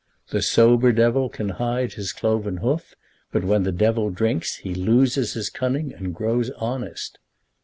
"_ The sober devil can hide his cloven hoof; but when the devil drinks he loses his cunning and grows honest.